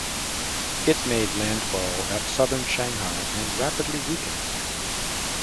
It made landfall at southern Shanghai and rapidly weakened.